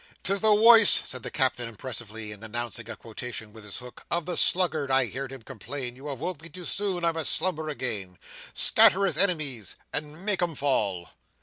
"Tis the woice," said the Captain, impressively, and announcing a quotation with his hook, "of the sluggard, I heerd him complain, you have woke me too soon, I must slumber again. Scatter his ene mies, and make 'em fall!"